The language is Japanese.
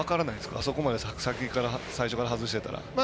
あそこまで最初から外してたら。